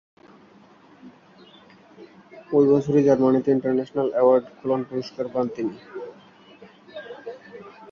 ওই বছরই জার্মানিতে ইন্টারন্যাশনাল অ্যাওয়ার্ড কোলন পুরস্কার পান তিনি।